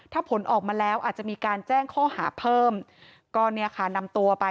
ถ้าผลออกมาแล้วอาจจะมีการแจ้งข้อหาเพิ่ม